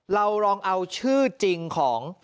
เราลองเอาชื่อจริงของ